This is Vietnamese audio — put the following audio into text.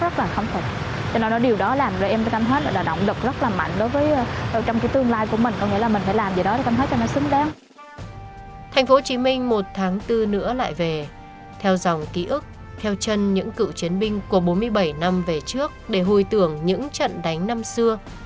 thành phố hồ chí minh một tháng bốn nữa lại về theo dòng ký ức theo chân những cựu chiến binh của bốn mươi bảy năm về trước để hồi tưởng những trận đánh năm xưa